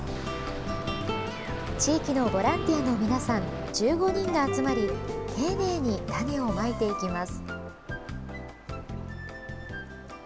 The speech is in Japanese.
地域のボランティアの皆さん１５人が集まり丁寧に種をまいていきます。